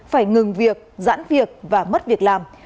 phải ngừng việc giãn việc và mất việc làm